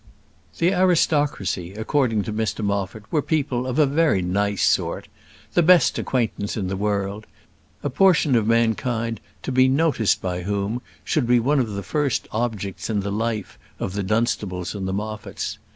The aristocracy, according to Mr Moffat, were people of a very nice sort; the best acquaintance in the world; a portion of mankind to be noticed by whom should be one of the first objects in the life of the Dunstables and the Moffats.